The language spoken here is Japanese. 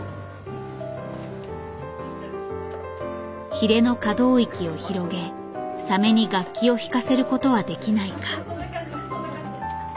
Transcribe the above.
ヒレの可動域を広げサメに楽器を弾かせることはできないか。